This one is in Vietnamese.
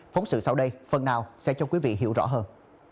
phóng sự sau đây phần nào sẽ cho quý vị hiểu rõ hơn